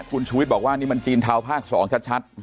คุณชวิตบอกว่านี่มันจีนเท้าภาคสองชัด